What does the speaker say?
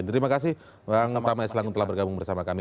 terima kasih bang tamai selangung telah bergabung bersama kami